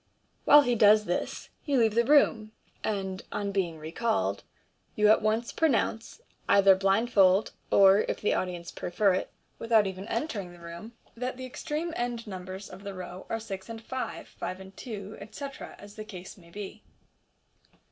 While he does this, you leave the room, and, on being recalled, you at once pronounce, either blind fold, or (if the audience prefer it) without even entering the room, that the extreme end numbers of the row are six and five, five and two, etc., as the case may be.